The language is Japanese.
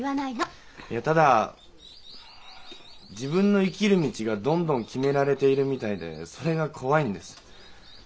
いやただ自分の生きる道がどんどん決められているみたいでそれが怖いんです。